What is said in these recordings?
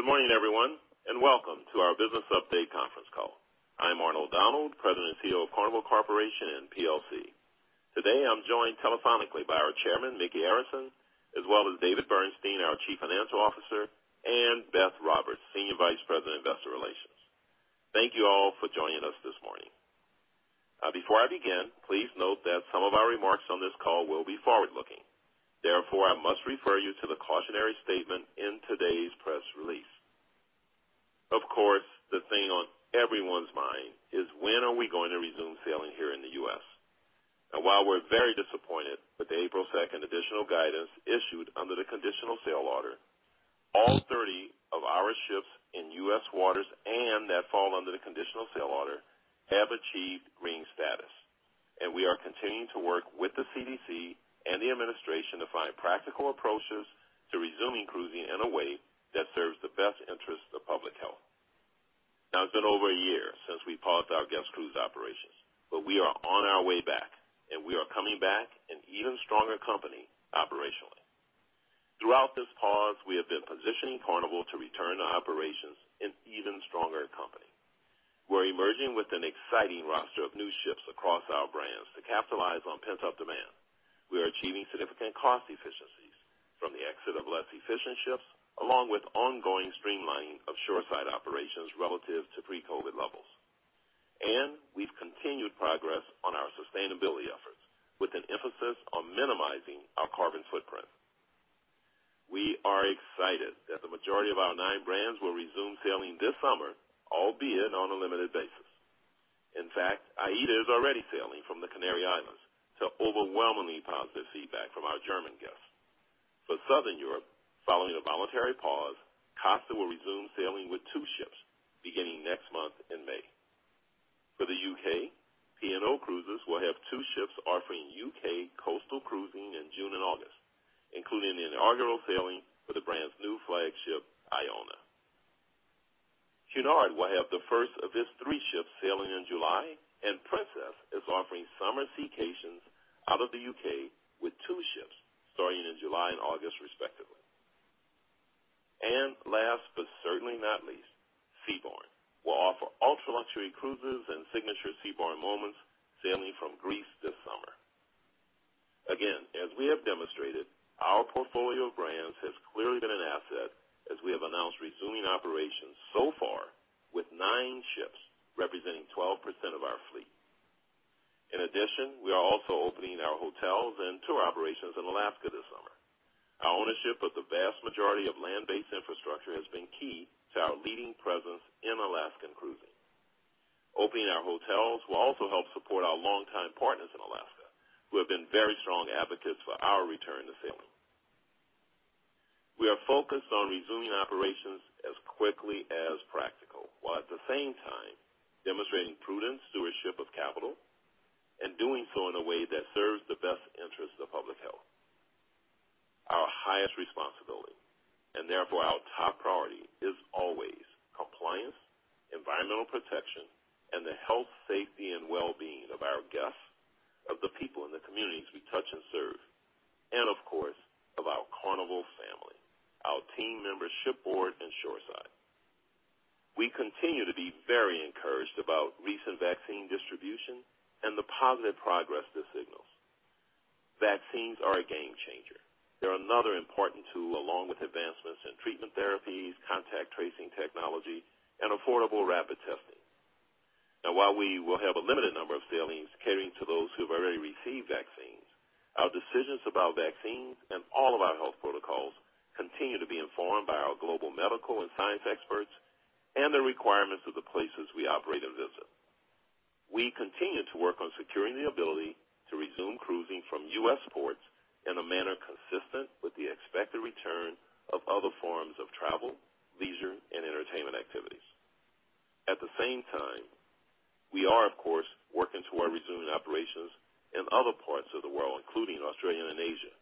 Good morning, everyone, welcome to our business update conference call. I'm Arnold Donald, President and CEO of Carnival Corporation & plc. Today, I'm joined telephonically by our Chairman, Micky Arison, as well as David Bernstein, our Chief Financial Officer, and Beth Roberts, Senior Vice President of Investor Relations. Thank you all for joining us this morning. Before I begin, please note that some of our remarks on this call will be forward-looking. I must refer you to the cautionary statement in today's press release. The thing on everyone's mind is when are we going to resume sailing here in the U.S.? While we're very disappointed with the April 2nd additional guidance issued under the Conditional Sailing Order, all 30 of our ships in U.S. waters and that fall under the Conditional Sailing Order have achieved green status, and we are continuing to work with the CDC and the administration to find practical approaches to resuming cruising in a way that serves the best interest of public health. It's been over a year since we paused our guest cruise operations, but we are on our way back, and we are coming back an even stronger company operationally. Throughout this pause, we have been positioning Carnival to return to operations an even stronger company. We're emerging with an exciting roster of new ships across our brands to capitalize on pent-up demand. We are achieving significant cost efficiencies from the exit of less efficient ships, along with ongoing streamlining of shoreside operations relative to pre-COVID levels. We've continued progress on our sustainability efforts, with an emphasis on minimizing our carbon footprint. We are excited that the majority of our nine brands will resume sailing this summer, albeit on a limited basis. In fact, AIDA is already sailing from the Canary Islands to overwhelmingly positive feedback from our German guests. For Southern Europe, following a voluntary pause, Costa will resume sailing with two ships beginning next month in May. For the U.K., P&O Cruises will have two ships offering U.K. coastal cruising in June and August, including the inaugural sailing for the brand's new flagship, Iona. Cunard will have the first of its three ships sailing in July, and Princess is offering summer staycations out of the U.K. with two ships starting in July and August respectively. Last, but certainly not least, Seabourn will offer ultra-luxury cruises and signature Seabourn moments sailing from Greece this summer. Again, as we have demonstrated, our portfolio of brands has clearly been an asset as we have announced resuming operations so far with nine ships representing 12% of our fleet. In addition, we are also opening our hotels and tour operations in Alaska this summer. Our ownership of the vast majority of land-based infrastructure has been key to our leading presence in Alaskan cruising. Opening our hotels will also help support our longtime partners in Alaska, who have been very strong advocates for our return to sailing. We are focused on resuming operations as quickly as practical, while at the same time demonstrating prudent stewardship of capital and doing so in a way that serves the best interests of public health. Our highest responsibility, and therefore our top priority, is always compliance, environmental protection, and the health, safety, and well-being of our guests, of the people in the communities we touch and serve, and, of course, of our Carnival family, our team members shipboard and shoreside. We continue to be very encouraged about recent vaccine distribution and the positive progress this signals. Vaccines are a game-changer. They're another important tool along with advancements in treatment therapies, contact tracing technology, and affordable rapid testing. Now, while we will have a limited number of sailings catering to those who have already received vaccines, our decisions about vaccines and all of our health protocols continue to be informed by our global medical and science experts and the requirements of the places we operate and visit. We continue to work on securing the ability to resume cruising from U.S. ports in a manner consistent with the expected return of other forms of travel, leisure, and entertainment activities. At the same time, we are, of course, working toward resuming operations in other parts of the world, including Australia and Asia.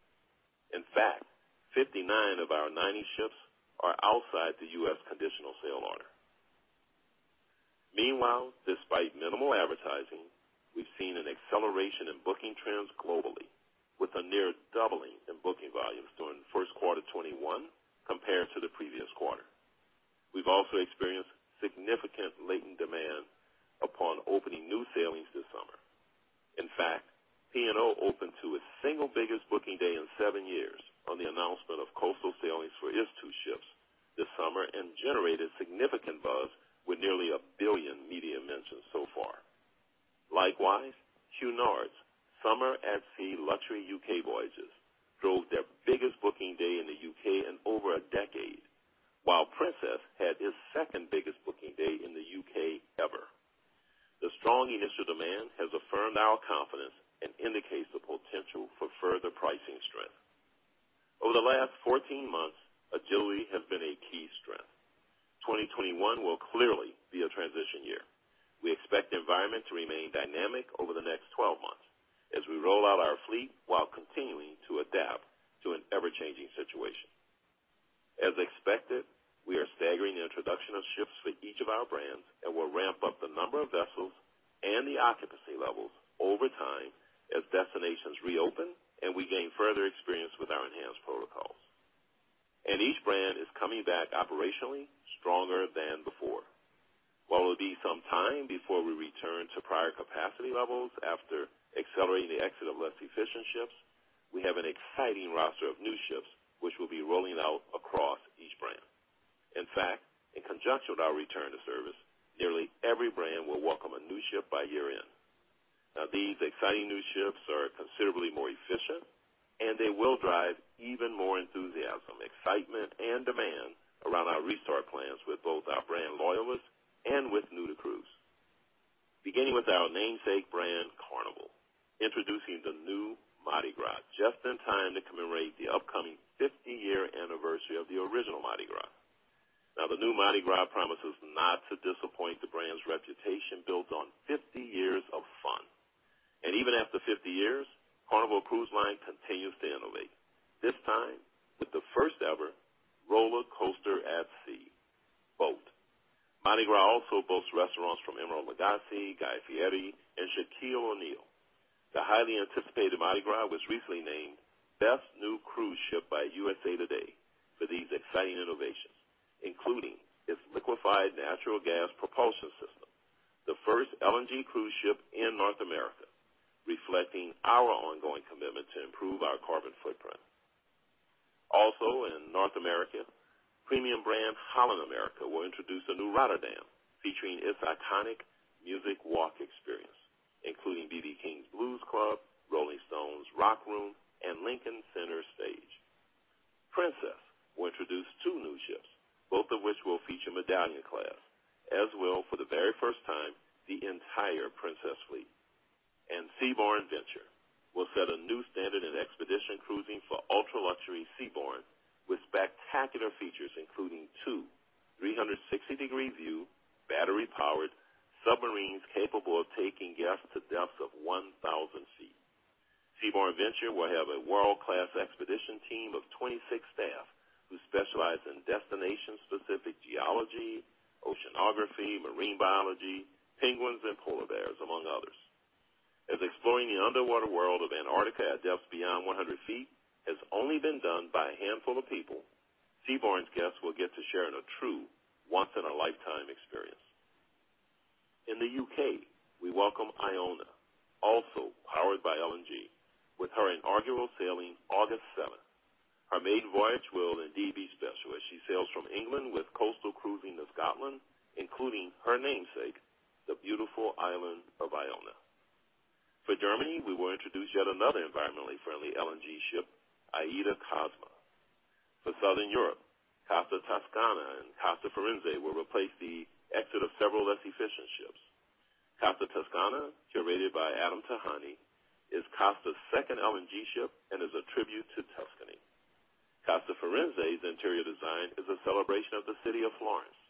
In fact, 59 of our 90 ships are outside the U.S. conditional sail order. Meanwhile, despite minimal advertising, we've seen an acceleration in booking trends globally, with a near doubling in booking volumes during the first quarter 2021 compared to the previous quarter. We've also experienced significant latent demand upon opening new sailings this summer. In fact, P&O opened to its single biggest booking day in seven years on the announcement of coastal sailings for its two ships this summer and generated significant buzz with nearly one billion media mentions so far. Likewise, Cunard's summer at sea luxury U.K. voyages drove their biggest booking day in the U.K. in over a decade, while Princess had its second-biggest booking day in the U.K. ever. The strong initial demand has affirmed our confidence and indicates the potential for further pricing strength. Over the last 14 months, agility has been a key strength. 2021 will clearly be a transition year. We expect the environment to remain dynamic over the next 12 months as we roll out our fleet while continuing to adapt to an ever-changing situation. As expected, the introduction of ships for each of our brands, and we'll ramp up the number of vessels and the occupancy levels over time as destinations reopen and we gain further experience with our enhanced protocols. Each brand is coming back operationally stronger than before. While it will be some time before we return to prior capacity levels after accelerating the exit of less efficient ships, we have an exciting roster of new ships which we'll be rolling out across each brand. In fact, in conjunction with our return to service, nearly every brand will welcome a new ship by year-end. Now, these exciting new ships are considerably more efficient, and they will drive even more enthusiasm, excitement, and demand around our restart plans with both our brand loyalists and with new-to-cruise. Beginning with our namesake brand, Carnival, introducing the new Mardi Gras, just in time to commemorate the upcoming 50-year anniversary of the original Mardi Gras. The new Mardi Gras promises not to disappoint the brand's reputation built on 50 years of fun. Even after 50 years, Carnival Cruise Line continues to innovate, this time with the first-ever roller coaster at sea. Quote, Mardi Gras also boasts restaurants from Emeril Lagasse, Guy Fieri, and Shaquille O'Neal. The highly anticipated Mardi Gras was recently named Best New Cruise Ship by USA Today for these exciting innovations, including its liquefied natural gas propulsion system, the first LNG cruise ship in North America, reflecting our ongoing commitment to improve our carbon footprint. In North America, premium brand Holland America will introduce the new Rotterdam, featuring its iconic Music Walk experience, including B.B. King's Blues Club, Rolling Stone Rock Room, and Lincoln Center Stage. Princess will introduce two new ships, both of which will feature MedallionClass, as will, for the very first time, the entire Princess fleet. Seabourn Venture will set a new standard in expedition cruising for ultra-luxury Seabourn with spectacular features, including two 360-degree-view, battery-powered submarines capable of taking guests to depths of 1,000 feet. Seabourn Venture will have a world-class expedition team of 26 staff who specialize in destination-specific geology, oceanography, marine biology, penguins, and polar bears, among others. As exploring the underwater world of Antarctica at depths beyond 100 feet has only been done by a handful of people, Seabourn's guests will get to share in a true once-in-a-lifetime experience. In the U.K., we welcome Iona, also powered by LNG, with her inaugural sailing August 7th. Her maiden voyage will indeed be special as she sails from England with coastal cruising of Scotland, including her namesake, the beautiful island of Iona. For Germany, we will introduce yet another environmentally friendly LNG ship, AIDAcosma. For Southern Europe, Costa Toscana and Costa Firenze will replace the exit of several less efficient ships. Costa Toscana, curated by Adam Tihany, is Costa's second LNG ship and is a tribute to Tuscany. Costa Firenze's interior design is a celebration of the city of Florence.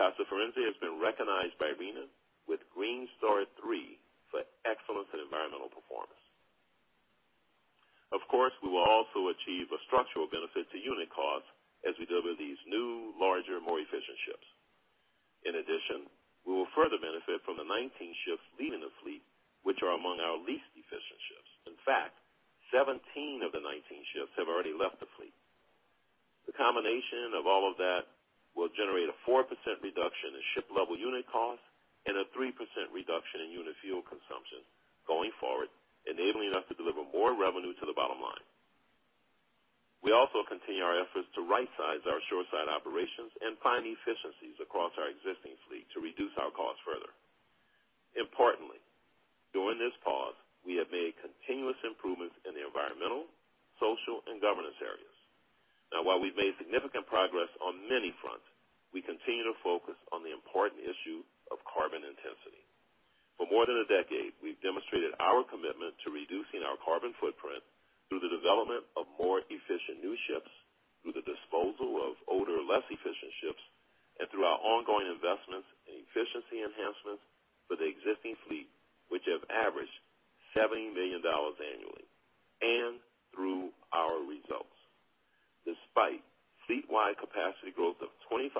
Costa Firenze has been recognized by RINA with Green Star 3 for excellence in environmental performance. Of course, we will also achieve a structural benefit to unit costs as we deliver these new, larger, more efficient ships. In addition, we will further benefit from the 19 ships leaving the fleet which are among our least efficient ships. In fact, 17 of the 19 ships have already left the fleet. The combination of all of that will generate a 4% reduction in ship-level unit costs and a 3% reduction in unit fuel consumption going forward, enabling us to deliver more revenue to the bottom line. We also continue our efforts to right-size our shoreside operations and find efficiencies across our existing fleet to reduce our costs further. Importantly, during this pause, we have made continuous improvements in the environmental, social, and governance areas. Now, while we've made significant progress on many fronts, we continue to focus on the important issue of carbon intensity. For more than a decade, we've demonstrated our commitment to reducing our carbon footprint through the development of more efficient new ships, through the disposal of older, less efficient ships, and through our ongoing investments in efficiency enhancements for the existing fleet, which have averaged $70 million annually, and through our results. Despite fleet-wide capacity growth of 25%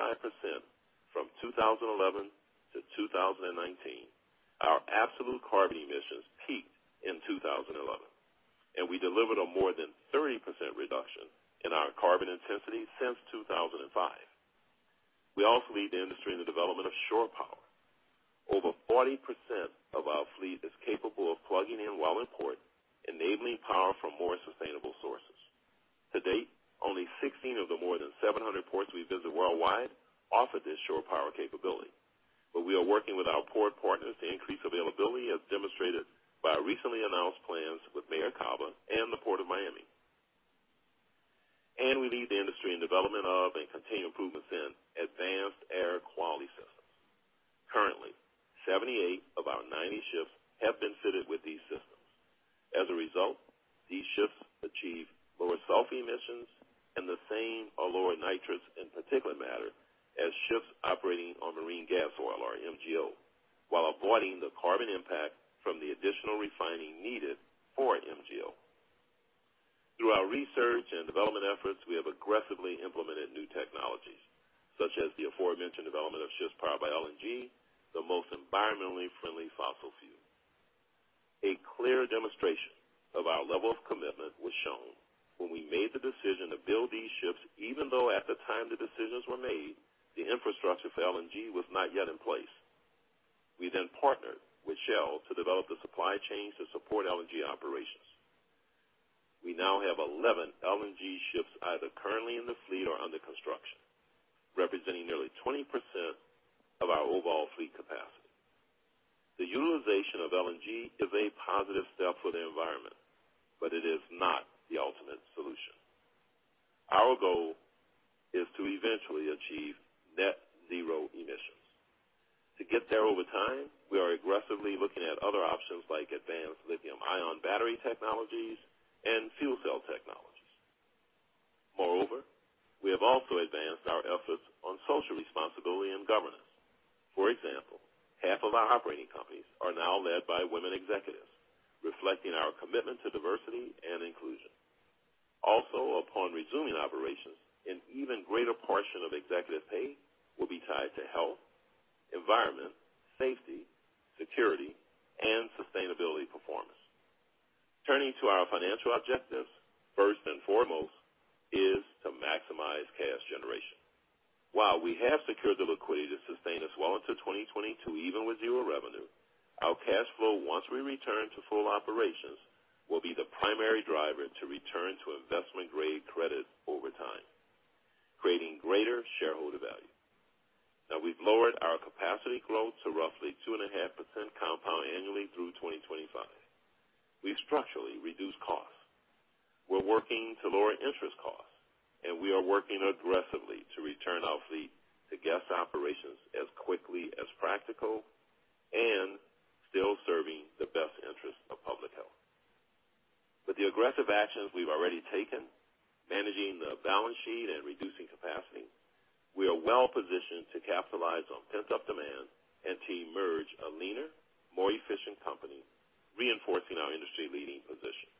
from 2011 to 2019, our absolute carbon emissions peaked in 2011, and we delivered a more than 30% reduction in our carbon intensity since 2005. We also lead the industry in the development of shore power. Over 40% of our fleet is capable of plugging in while in port, enabling power from more sustainable sources. To date, only 16 of the more than 700 ports we visit worldwide offer this shore power capability, but we are working with our port partners to increase availability, as demonstrated by our recently announced plans with Mayor Cava and the Port of Miami. We lead the industry in development of and continue improvements in advanced air quality systems. Currently, 78 of our 90 ships have been fitted with these systems. As a result, these ships achieve lower sulfur emissions and the same or lower nitrous and particulate matter as ships operating on marine gas oil or MGO while avoiding the carbon impact from the additional refining needed for MGO. Through our research and development efforts, we have aggressively implemented new technologies, such as the aforementioned development of ships powered by LNG, the most environmentally friendly fossil fuel. A clear demonstration of our level of commitment was shown when we made the decision to build these ships, even though at the time the decisions were made, the infrastructure for LNG was not yet in place. We partnered with Shell to develop the supply chains to support LNG operations. We now have 11 LNG ships, either currently in the fleet or under construction, representing nearly 20% of our overall fleet capacity. The utilization of LNG is a positive step for the environment, but it is not the ultimate solution. Our goal is to eventually achieve net zero emissions. To get there over time, we are aggressively looking at other options like advanced lithium-ion battery technologies and fuel cell technologies. Moreover, we have also advanced our efforts on social responsibility and governance. For example, half of our operating companies are now led by women executives, reflecting our commitment to diversity and inclusion. Upon resuming operations, an even greater portion of executive pay will be tied to health, environment, safety, security, and sustainability performance. Turning to our financial objectives, first and foremost is to maximize cash generation. While we have secured the liquidity to sustain us well into 2022, even with zero revenue, our cash flow, once we return to full operations, will be the primary driver to return to investment-grade credit over time, creating greater shareholder value. We've lowered our capacity growth to roughly 2.5% compound annually through 2025. We've structurally reduced costs. We're working to lower interest costs, we are working aggressively to return our fleet to guest operations as quickly as practical and still serving the best interest of public health. With the aggressive actions we've already taken, managing the balance sheet and reducing capacity, we are well-positioned to capitalize on pent-up demand and to emerge a leaner, more efficient company, reinforcing our industry-leading position.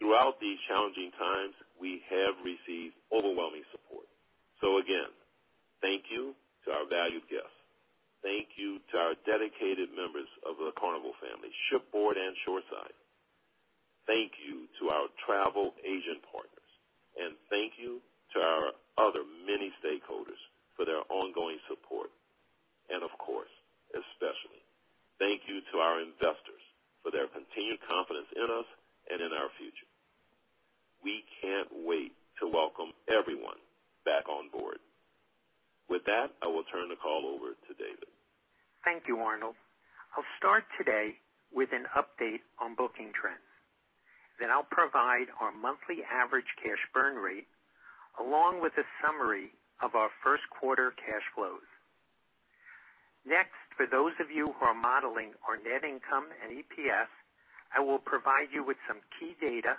Throughout these challenging times, we have received overwhelming support. Again, thank you to our valued guests. Thank you to our dedicated members of the Carnival family, shipboard and shoreside. Thank you to our travel agent partners, and thank you to our other many stakeholders for their ongoing support. Of course, especially thank you to our investors for their continued confidence in us and in our future. We can't wait to welcome everyone back on board. With that, I will turn the call over to David. Thank you, Arnold. I'll start today with an update on booking trends. I'll provide our monthly average cash burn rate, along with a summary of our first quarter cash flows. Next, for those of you who are modeling our net income and EPS, I will provide you with some key data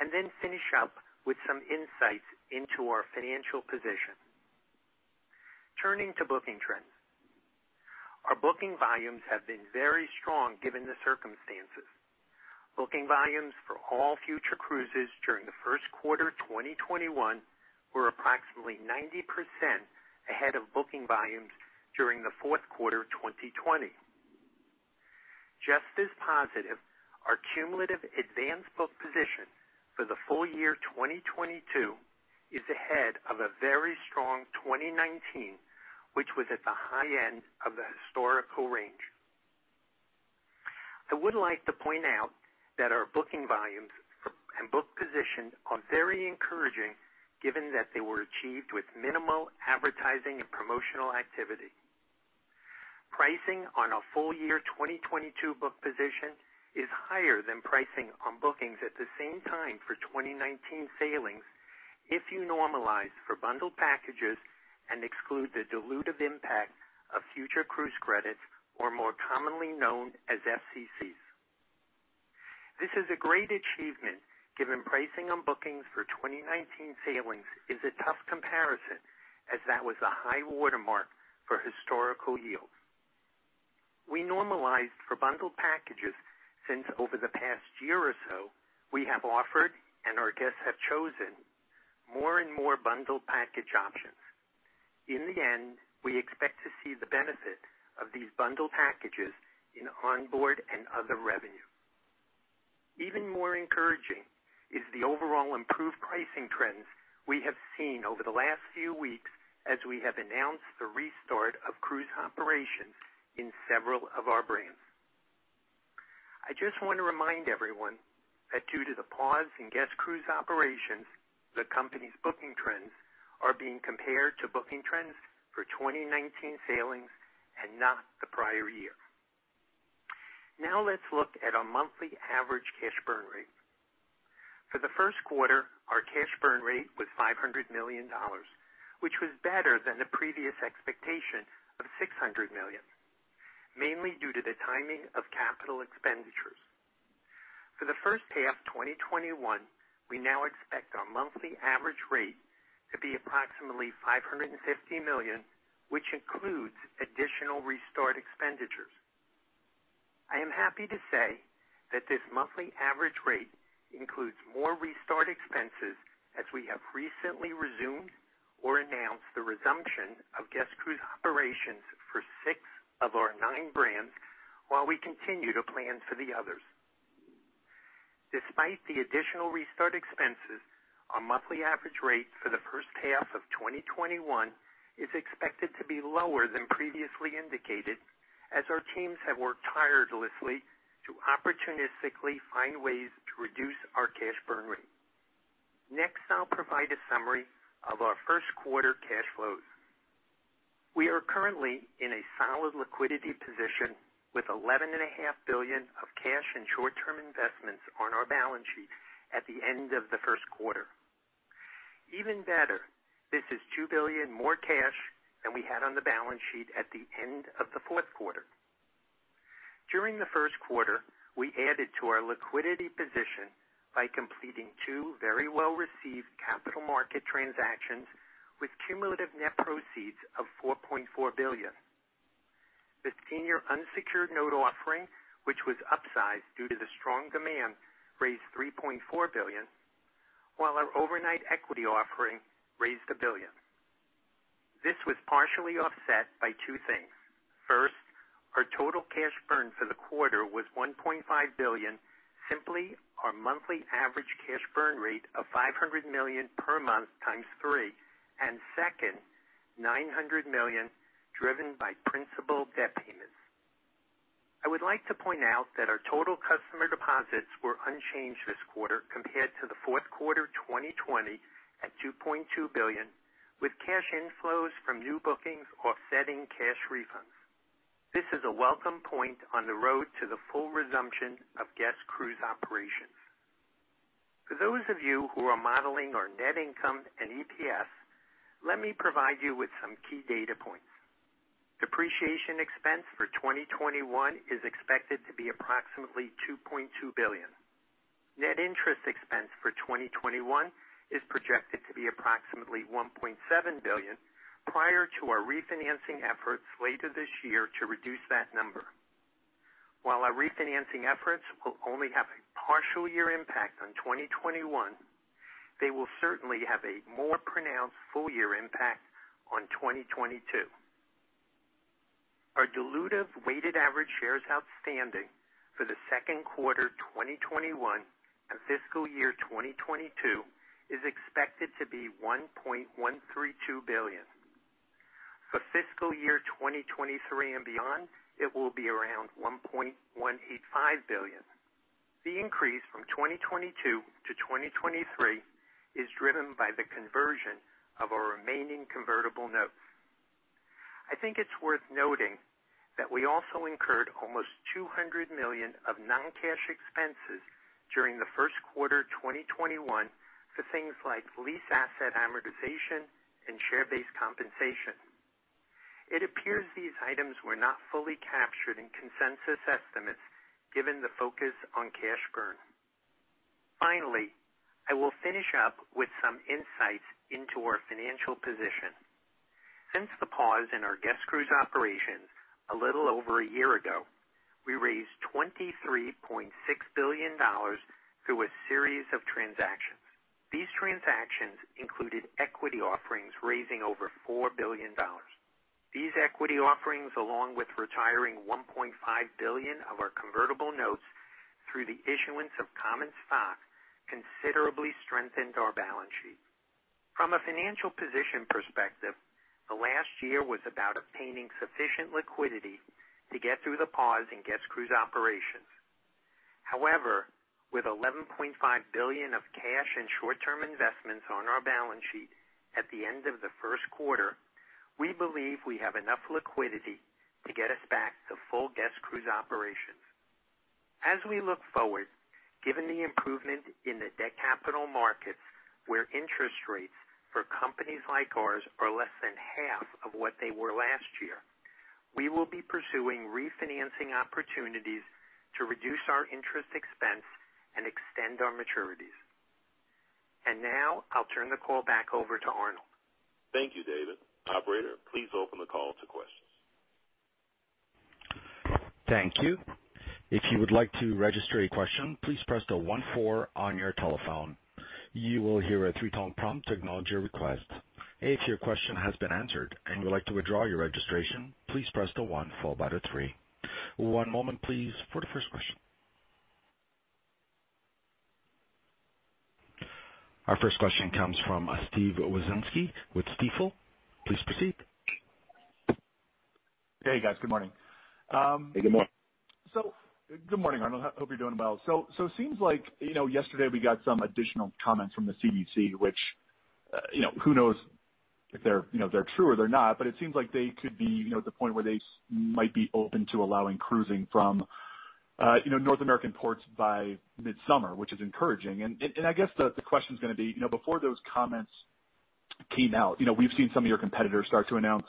and then finish up with some insights into our financial position. Turning to booking trends. Our booking volumes have been very strong given the circumstances. Booking volumes for all future cruises during the first quarter 2021 were approximately 90% ahead of booking volumes during the fourth quarter 2020. Just as positive, our cumulative advanced book position for the full year 2022 is ahead of a very strong 2019, which was at the high end of the historical range. I would like to point out that our booking volumes and book position are very encouraging given that they were achieved with minimal advertising and promotional activity. Pricing on a full year 2022 book position is higher than pricing on bookings at the same time for 2019 sailings if you normalize for bundled packages and exclude the dilutive impact of future cruise credits, or more commonly known as FCCs. This is a great achievement given pricing on bookings for 2019 sailings is a tough comparison as that was a high watermark for historical yield. We normalized for bundled packages since over the past year or so, we have offered and our guests have chosen more and more bundled package options. In the end, we expect to see the benefit of these bundled packages in onboard and other revenue. Even more encouraging is the overall improved pricing trends we have seen over the last few weeks as we have announced the restart of cruise operations in several of our brands. I just want to remind everyone that due to the pause in guest cruise operations, the company's booking trends are being compared to booking trends for 2019 sailings and not the prior year. Now let's look at our monthly average cash burn rate. For the first quarter, our cash burn rate was $500 million, which was better than the previous expectation of $600 million, mainly due to the timing of capital expenditures. For the first half 2021, we now expect our monthly average rate to be approximately $550 million, which includes additional restart expenditures. I am happy to say that this monthly average rate includes more restart expenses as we have recently resumed or announced the resumption of guest cruise operations for six of our nine brands while we continue to plan for the others. Despite the additional restart expenses, our monthly average rate for the first half of 2021 is expected to be lower than previously indicated, as our teams have worked tirelessly to opportunistically find ways to reduce our cash burn rate. I'll provide a summary of our first quarter cash flows. We are currently in a solid liquidity position with $11.5 billion of cash and short-term investments on our balance sheet at the end of the first quarter. Even better, this is $2 billion more cash than we had on the balance sheet at the end of the fourth quarter. During the first quarter, we added to our liquidity position by completing two very well-received capital market transactions with cumulative net proceeds of $4.4 billion. The senior unsecured note offering, which was upsized due to the strong demand, raised $3.4 billion, while our overnight equity offering raised $1 billion. This was partially offset by two things. First, our total cash burn for the quarter was $1.5 billion, simply our monthly average cash burn rate of $500 million per month times three. Second, $900 million driven by principal debt payments. I would like to point out that our total customer deposits were unchanged this quarter compared to the fourth quarter 2020 at $2.2 billion, with cash inflows from new bookings offsetting cash refunds. This is a welcome point on the road to the full resumption of guest cruise operations. For those of you who are modeling our net income and EPS, let me provide you with some key data points. Depreciation expense for 2021 is expected to be approximately $2.2 billion. Net interest expense for 2021 is projected to be approximately $1.7 billion prior to our refinancing efforts later this year to reduce that number. While our refinancing efforts will only have a partial year impact on 2021, they will certainly have a more pronounced full-year impact on 2022. Our dilutive weighted average shares outstanding for the second quarter 2021 and fiscal year 2022 is expected to be 1.132 billion. For fiscal year 2023 and beyond, it will be around 1.185 billion. The increase from 2022 to 2023 is driven by the conversion of our remaining convertible notes. I think it's worth noting that we also incurred almost $200 million of non-cash expenses during the first quarter 2021 for things like lease asset amortization and share-based compensation. It appears these items were not fully captured in consensus estimates given the focus on cash burn. Finally, I will finish up with some insights into our financial position. Since the pause in our guest cruise operations a little over a year ago, we raised $23.6 billion through a series of transactions. These transactions included equity offerings raising over $4 billion. These equity offerings, along with retiring $1.5 billion of our convertible notes through the issuance of common stock, considerably strengthened our balance sheet. From a financial position perspective, the last year was about obtaining sufficient liquidity to get through the pause in guest cruise operations. However, with $11.5 billion of cash and short-term investments on our balance sheet at the end of the first quarter, we believe we have enough liquidity to get us back to full guest cruise operations. As we look forward, given the improvement in the debt capital markets, where interest rates for companies like ours are less than half of what they were last year, we will be pursuing refinancing opportunities to reduce our interest expense and extend our maturities. Now I'll turn the call back over to Arnold. Thank you, David. Operator, please open the call to questions. Thank you. If you would like to register a question, please press star one four on your telephone. You will hear a three-tone prompt technology request. If your question has been answered and you like to withdraw your registration, please press one four. One moment please for the first question. The Our first question comes from Steven Wieczynski with Stifel. Please proceed. Hey, guys. Good morning. Hey, good morning. Good morning, Arnold. Hope you're doing well. Seems like yesterday we got some additional comments from the CDC, which who knows if they're true or they're not. It seems like they could be at the point where they might be open to allowing cruising from North American ports by midsummer, which is encouraging. I guess the question's going to be, before those comments came out, we've seen some of your competitors start to announce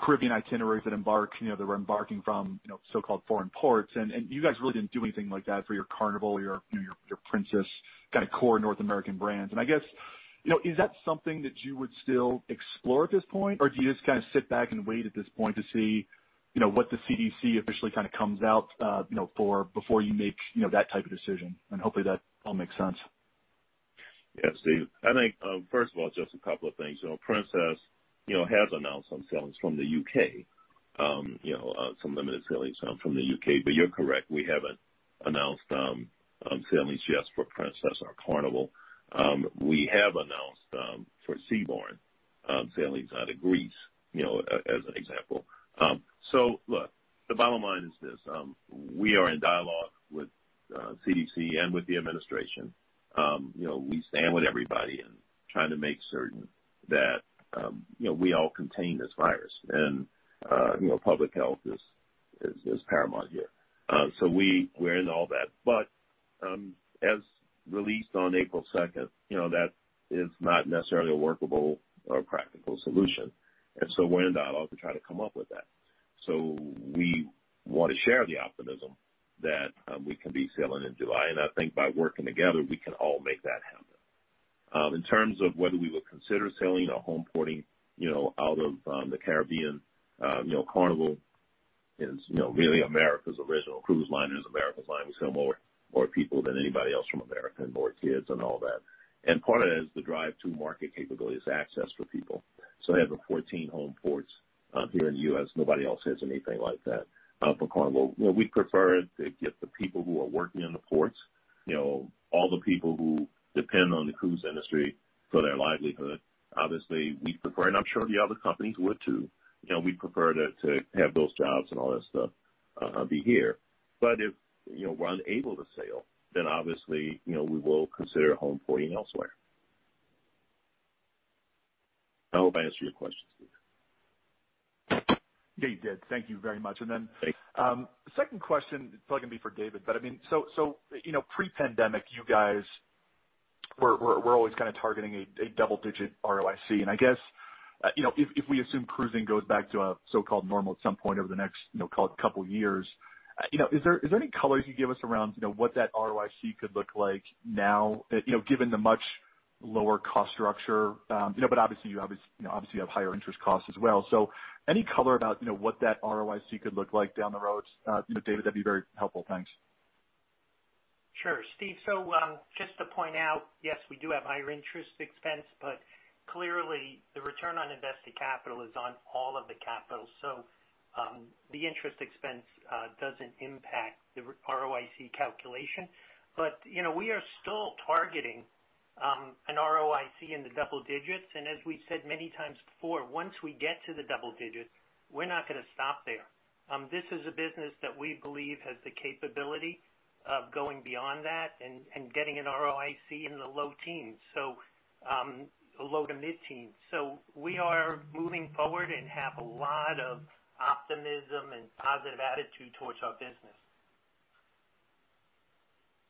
Caribbean itineraries that are embarking from so-called foreign ports, and you guys really didn't do anything like that for your Carnival, your Princess kind of core North American brands. I guess that something that you would still explore at this point? Or do you just sit back and wait at this point to see what the CDC officially comes out for before you make that type of decision? Hopefully that all makes sense. Steven. I think, first of all, just a couple of things. Princess has announced some sailings from the U.K., some limited sailings from the U.K. You're correct, we haven't announced sailings yet for Princess or Carnival. We have announced for Seabourn sailings out of Greece, as an example. Look, the bottom line is this. We are in dialogue with CDC and with the administration. We stand with everybody in trying to make certain that we all contain this virus. Public health is paramount here. We're in all that. As released on April 2nd, that is not necessarily a workable or practical solution. We're in dialogue to try to come up with that. We want to share the optimism that we can be sailing in July, and I think by working together, we can all make that happen. In terms of whether we will consider sailing or home porting out of the Caribbean, Carnival is really America's original cruise line, it is America's line. We sail more people than anybody else from America, and more kids and all that. Part of that is the drive-to market capabilities, access for people. We have the 14 home ports here in the U.S. Nobody else has anything like that for Carnival. We prefer to get the people who are working in the ports, all the people who depend on the cruise industry for their livelihood. Obviously, we prefer, and I'm sure the other companies would too, we prefer to have those jobs and all that stuff be here. If we're unable to sail, then obviously, we will consider home porting elsewhere. I hope I answered your question, Steven. Yeah, you did. Thank you very much. Thanks. Second question, it's probably going to be for David. Pre-pandemic, you guys were always targeting a double-digit ROIC. I guess, if we assume cruising goes back to a so-called normal at some point over the next, call it, couple of years, is there any color you can give us around what that ROIC could look like now, given the much lower cost structure? Obviously, you have higher interest costs as well. Any color about what that ROIC could look like down the road, David? That'd be very helpful. Thanks. Sure. Steven, just to point out, yes, we do have higher interest expense, but clearly the return on invested capital is on all of the capital. The interest expense doesn't impact the ROIC calculation. We are still targeting an ROIC in the double digits. As we've said many times before, once we get to the double digits, we're not going to stop there. This is a business that we believe has the capability of going beyond that and getting an ROIC in the low to mid-teens. We are moving forward and have a lot of optimism and positive attitude towards our business.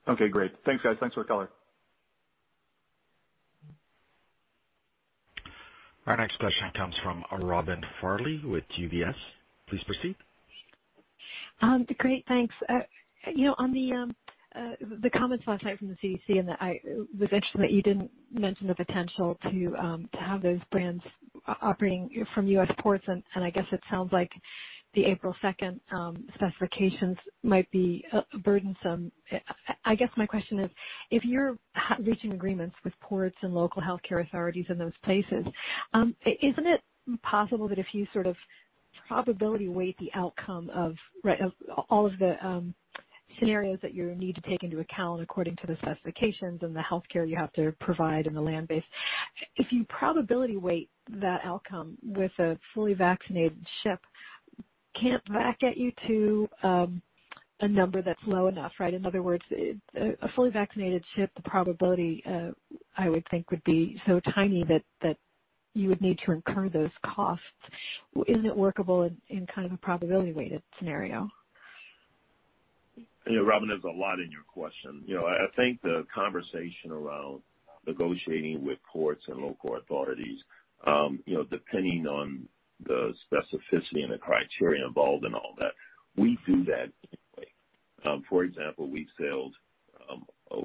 Okay, great. Thanks, guys. Thanks for the color. Our next question comes from Robin Farley with UBS. Please proceed. Great. Thanks. On the comments last night from the CDC, I was interested that you didn't mention the potential to have those brands operating from U.S. ports, I guess it sounds like the April 2nd specifications might be burdensome. I guess my question is, if you're reaching agreements with ports and local healthcare authorities in those places, isn't it possible that if you probability weight the outcome of all of the scenarios that you need to take into account according to the specifications and the healthcare you have to provide and the land base, if you probability weight that outcome with a fully vaccinated ship, can't that get you to a number that's low enough, right? In other words, a fully vaccinated ship probability, I would think, would be so tiny that you would need to incur those costs. Isn't it workable in a probability-weighted scenario? Robin, there's a lot in your question. I think the conversation around negotiating with ports and local authorities, depending on the specificity and the criteria involved and all that, we do that anyway. For example, we've sailed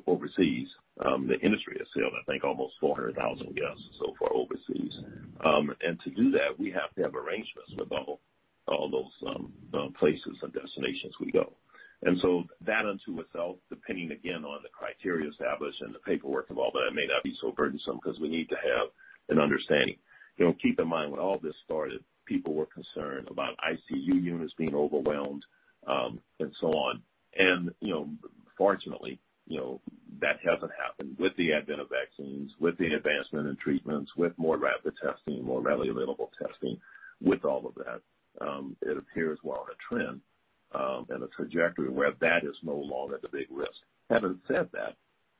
overseas. The industry has sailed, I think, almost 400,000 guests so far overseas. To do that, we have to have arrangements with all those places and destinations we go. That unto itself, depending, again, on the criteria established and the paperwork and all that, it may not be so burdensome because we need to have an understanding. Keep in mind, when all this started, people were concerned about ICU units being overwhelmed, and so on. Fortunately, that hasn't happened with the advent of vaccines, with the advancement in treatments, with more rapid testing, more readily available testing. With all of that, it appears we're on a trend and a trajectory where that is no longer the big risk. Having said that,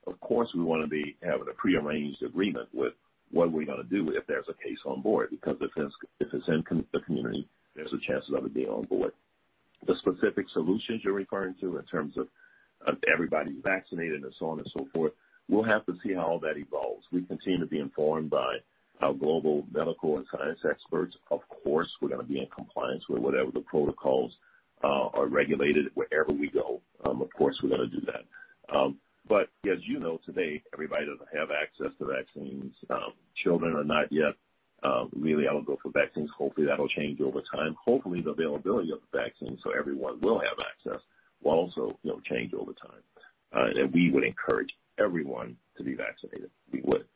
of course, we want to be having a prearranged agreement with what we're going to do if there's a case on board, because if it's in the community, there's a chance of it being on board. The specific solutions you're referring to in terms of everybody vaccinated and so on and so forth, we'll have to see how all that evolves. We continue to be informed by our global medical and science experts. Of course, we're going to be in compliance with whatever the protocols are regulated wherever we go. Of course, we're going to do that. As you know, today, everybody doesn't have access to vaccines. Children are not yet really eligible for vaccines. Hopefully, that'll change over time. Hopefully, the availability of the vaccines, so everyone will have access, will also change over time. We would encourage everyone to be vaccinated. We would.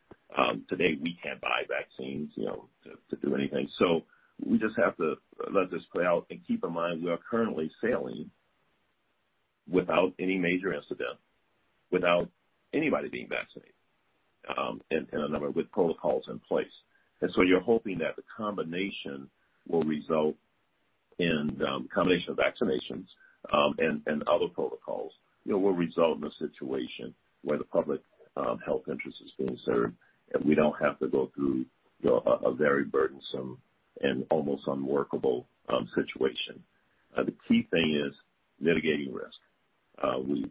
Today, we can't buy vaccines to do anything. We just have to let this play out and keep in mind, we are currently sailing without any major incident, without anybody being vaccinated, and with protocols in place. You're hoping that the combination of vaccinations and other protocols will result in a situation where the public health interest is being served, and we don't have to go through a very burdensome and almost unworkable situation. The key thing is mitigating risk.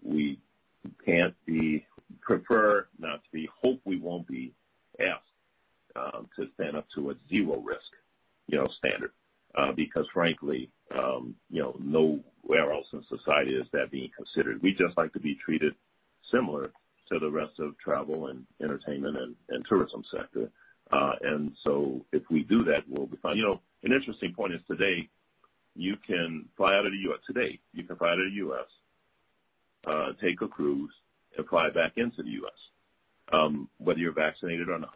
We hope we won't be asked to stand up to a zero-risk standard, because frankly, nowhere else in society is that being considered. We'd just like to be treated similar to the rest of travel and entertainment and tourism sector. If we do that, we'll be fine. An interesting point is today you can fly out of the U.S., take a cruise, and fly back into the U.S., whether you're vaccinated or not.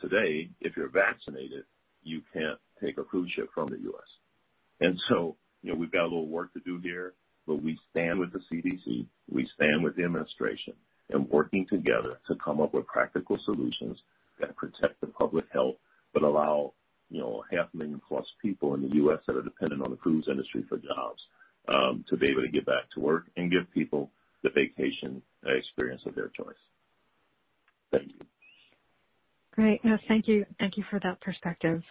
Today, if you're vaccinated, you can't take a cruise ship from the U.S. We've got a little work to do here, but we stand with the CDC, we stand with the administration in working together to come up with practical solutions that protect the public health, but allow half-million-plus people in the U.S. that are dependent on the cruise industry for jobs, to be able to get back to work and give people the vacation experience of their choice. Thank you. Great. No, thank you. Thank you for that perspective.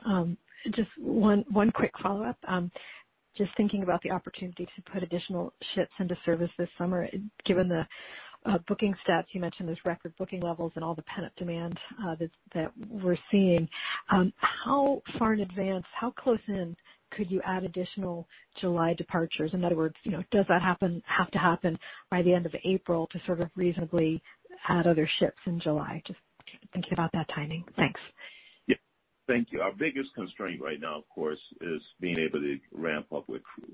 Just one quick follow-up. Just thinking about the opportunity to put additional ships into service this summer, given the booking stats. You mentioned those record booking levels and all the pent-up demand that we're seeing. How far in advance, how close in could you add additional July departures? In other words, does that have to happen by the end of April to sort of reasonably add other ships in July? Just thinking about that timing. Thanks. Thank you. Our biggest constraint right now, of course, is being able to ramp up with crew.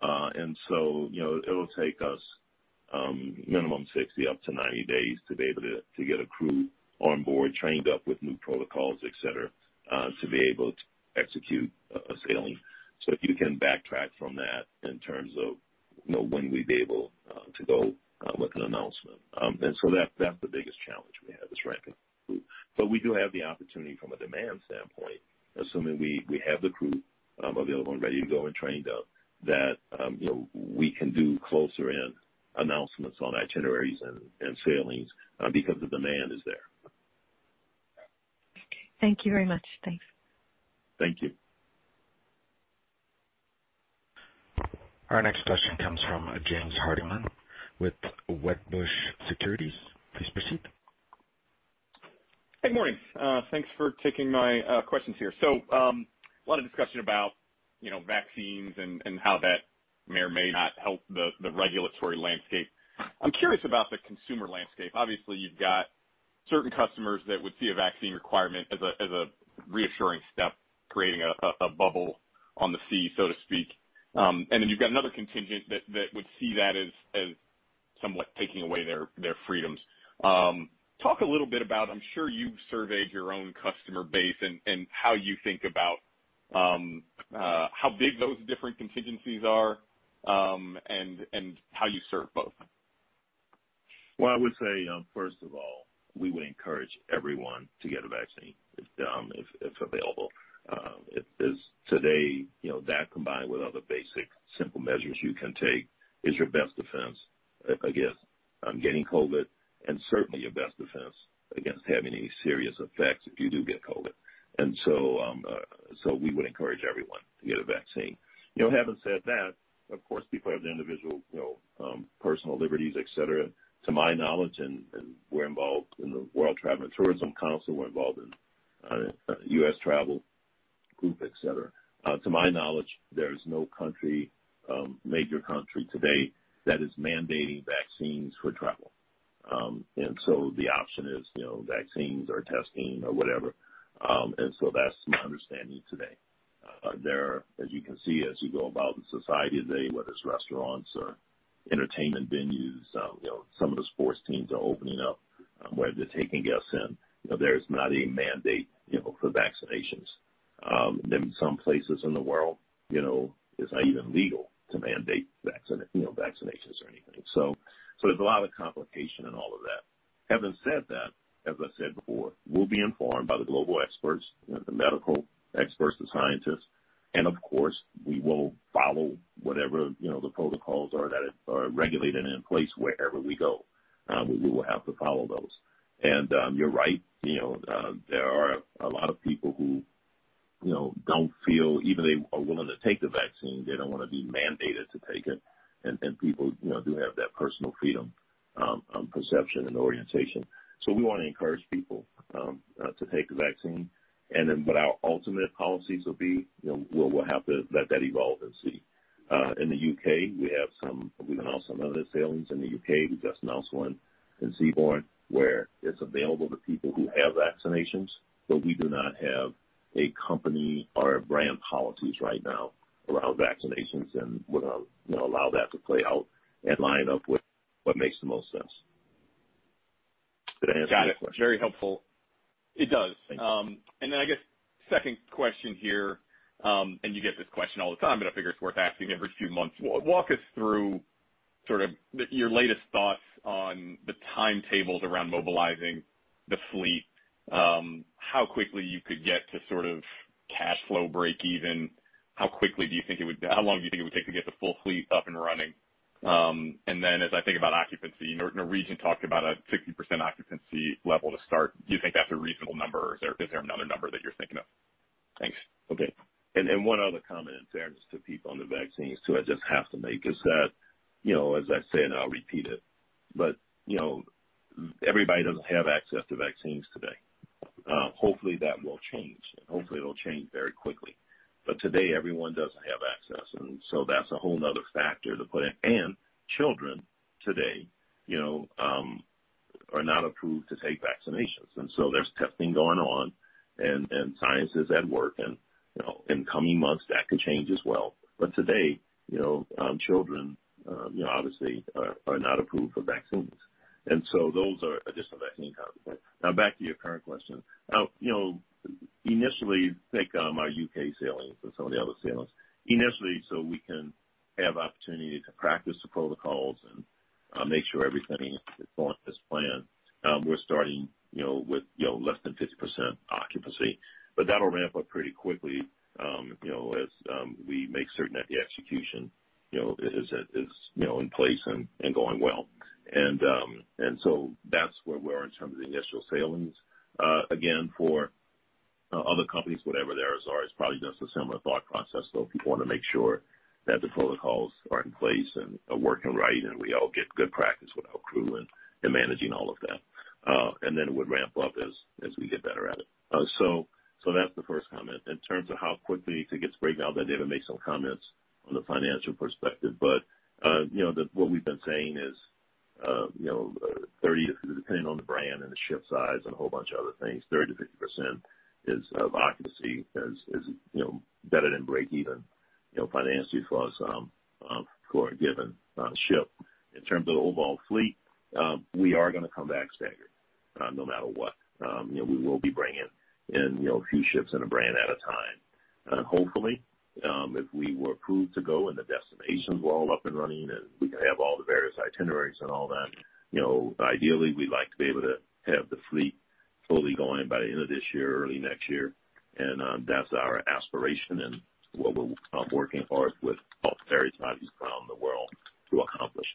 It'll take us minimum 60 up to 90 days to be able to get a crew on board, trained up with new protocols, et cetera, to be able to execute a sailing. If you can backtrack from that in terms of when we'd be able to go with an announcement. That's the biggest challenge we have is ramping crew. We do have the opportunity from a demand standpoint, assuming we have the crew available and ready to go and trained up, that we can do closer-in announcements on itineraries and sailings because the demand is there. Okay. Thank you very much. Thanks. Thank you. Our next question comes from James Hardiman with Wedbush Securities. Please proceed. Hey, morning. Thanks for taking my questions here. A lot of discussion about vaccines and how that may or may not help the regulatory landscape. I'm curious about the consumer landscape. Obviously, you've got certain customers that would see a vaccine requirement as a reassuring step, creating a bubble on the sea, so to speak. You've got another contingent that would see that as somewhat taking away their freedoms. Talk a little bit about, I'm sure you've surveyed your own customer base and how you think about how big those different contingencies are, and how you serve both of them. Well, I would say, first of all, we would encourage everyone to get a vaccine if available. Today, that combined with other basic simple measures you can take is your best defense against getting COVID, and certainly your best defense against having any serious effects if you do get COVID. We would encourage everyone to get a vaccine. Having said that, of course, people have the individual personal liberties, et cetera. To my knowledge, we're involved in the World Travel & Tourism Council, we're involved in U.S. travel group, et cetera. To my knowledge, there is no major country today that is mandating vaccines for travel. The option is vaccines or testing or whatever. That's my understanding today. As you can see, as you go about the society today, whether it's restaurants or entertainment venues, some of the sports teams are opening up where they're taking guests in. There's not a mandate for vaccinations. In some places in the world, it's not even legal to mandate vaccinations or anything. There's a lot of complication in all of that. Having said that, as I said before, we'll be informed by the global experts, the medical experts, the scientists, and of course, we will follow whatever the protocols are that are regulated and in place wherever we go. We will have to follow those. You're right, there are a lot of people who don't feel even they are willing to take the vaccine, they don't want to be mandated to take it. People do have that personal freedom, perception, and orientation. We want to encourage people to take the vaccine. What our ultimate policies will be, we'll have to let that evolve and see. In the U.K., we've announced some other sailings. In the U.K., we just announced one in Seabourn, where it's available to people who have vaccinations, but we do not have a company or brand policies right now around vaccinations, and we're going to allow that to play out and line up with what makes the most sense. Did I answer your question? Got it. Very helpful. It does. Thank you. I guess, second question here, and you get this question all the time, but I figure it's worth asking every few months. Walk us through sort of your latest thoughts on the timetables around mobilizing the fleet? How quickly you could get to sort of cash flow breakeven? How long do you think it would take to get the full fleet up and running? As I think about occupancy, Norwegian talked about a 60% occupancy level to start. Do you think that's a reasonable number, or is there another number that you're thinking of? Thanks. Okay. One other comment there, just to people on the vaccines, too, I just have to make is that, as I said, and I'll repeat it, everybody doesn't have access to vaccines today. Hopefully, that will change, and hopefully it'll change very quickly. Today, everyone doesn't have access. That's a whole other factor to put in. Children today are not approved to take vaccinations. There's testing going on, and science is at work. In coming months, that could change as well. Today, children, obviously, are not approved for vaccines. Those are additional vaccine comments. Now, back to your current question. Initially, think our U.K. sailings and some of the other sailings. Initially, we can have opportunity to practice the protocols and make sure everything is going as planned. We're starting with less than 50% occupancy. That'll ramp up pretty quickly as we make certain that the execution is in place and going well. That's where we are in terms of the initial sailings. Again, for other companies, whatever theirs are, it's probably just a similar thought process though. People want to make sure that the protocols are in place and are working right, and we all get good practice with our crew and managing all of that. It would ramp up as we get better at it. That's the first comment. In terms of how quickly to get to breakeven, I'll let David make some comments on the financial perspective. What we've been saying is, depending on the brand and the ship size and a whole bunch of other things, 30%-50% of occupancy is better than breakeven financially for a given ship. In terms of the overall fleet, we are going to come back staggered no matter what. We will be bringing in a few ships and a brand at a time. Hopefully, if we were approved to go and the destinations were all up and running, and we can have all the various itineraries and all that, ideally, we'd like to be able to have the fleet fully going by the end of this year or early next year. That's our aspiration and what we're working hard with various parties around the world to accomplish.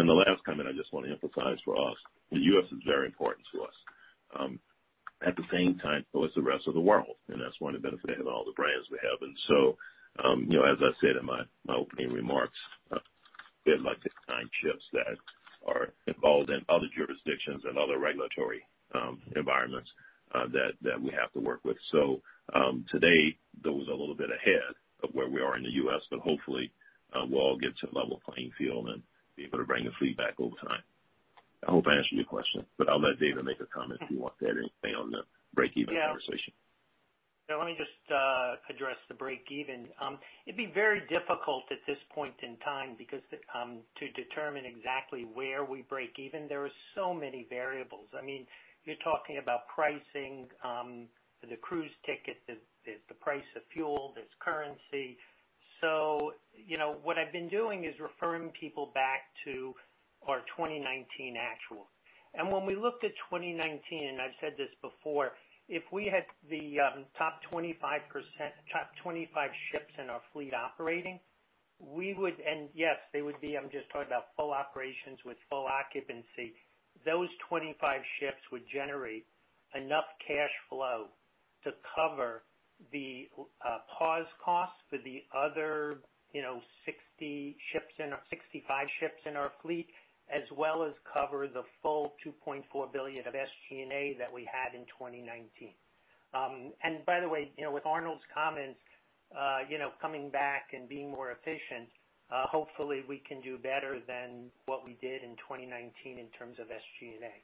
The last comment I just want to emphasize for us, the U.S. is very important to us. At the same time though, is the rest of the world, and that's one of the benefits of all the brands we have. As I said in my opening remarks, we have like 59 ships that are involved in other jurisdictions and other regulatory environments that we have to work with. Today, those are a little bit ahead of where we are in the U.S., but hopefully, we'll all get to a level playing field and be able to bring the fleet back over time. I hope I answered your question, but I'll let David make a comment if you want to add anything on the breakeven conversation. Yeah. Let me just address the breakeven. It'd be very difficult at this point in time to determine exactly where we breakeven. There are so many variables. You're talking about pricing for the cruise ticket. There's the price of fuel. There's currency. What I've been doing is referring people back to our 2019 actual. When we looked at 2019, and I've said this before, if we had the top 25 ships in our fleet operating, and yes, they would be, I'm just talking about full operations with full occupancy. Those 25 ships would generate enough cash flow to cover the pause cost for the other 65 ships in our fleet, as well as cover the full $2.4 billion of SG&A that we had in 2019. By the way, with Arnold's comments, coming back and being more efficient, hopefully we can do better than what we did in 2019 in terms of SG&A.